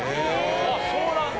あっそうなんだ！